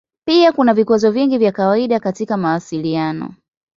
Pia kuna vikwazo vingi vya kawaida katika mawasiliano.